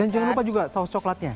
dan jangan lupa juga saus coklatnya